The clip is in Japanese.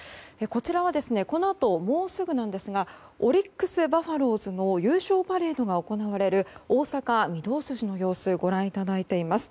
こちらはこのあともうすぐですがオリックス・バファローズの優勝パレードで行われる大阪・御堂筋の様子ご覧いただいています。